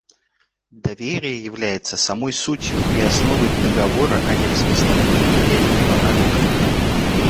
Доверие является самой сутью и основой Договора о нераспространении ядерного оружия.